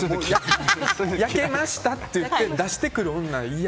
焼けましたって出してくる女嫌。